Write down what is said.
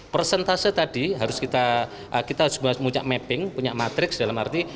persentase tadi harus kita punya mapping punya matrix dalam arti